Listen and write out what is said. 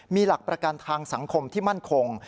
มีหลักประกันทางสังคมที่มั่นคง